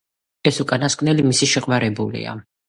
ეს უკანასკნელი მისი შეყვარებულია.